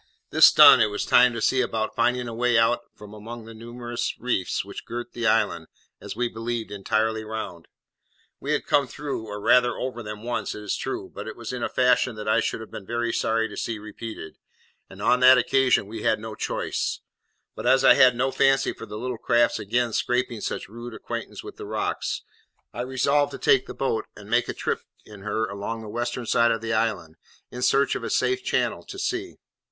This done, it was time to see about finding a way out from among the numerous reefs which girt the island, as we believed, entirely round. We had come through, or, rather, over them once, it is true, but it was in a fashion that I should have been very sorry to see repeated; and on that occasion we had no choice; but as I had no fancy for the little craft's again scraping such rude acquaintance with the rocks, I resolved to take the boat and make a trip in her along the western side of the island, in search of a safe channel to sea.